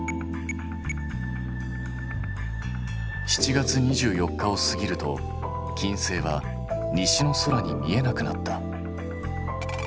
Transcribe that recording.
７月２４日を過ぎると金星は西の空に見えなくなった。